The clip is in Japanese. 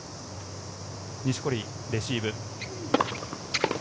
錦織、レシーブ。